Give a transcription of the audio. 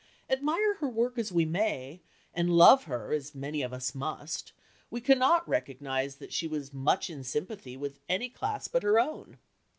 Admire her work as we may, and love her as many of us must, we cannot recognize that she was much in sympathy with any class but her own.